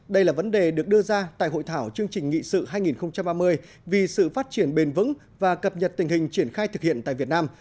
đây là vấn đề được đưa ra tại hội thảo chương trình nghị sự hai nghìn ba mươi vì sự phát triển bền vững và cập nhật tình hình triển khai thực hiện tại việt nam